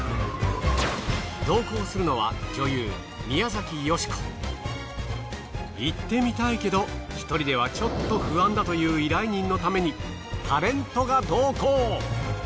同行するのは行ってみたいけど１人ではちょっと不安だという依頼人のためにタレントが同行。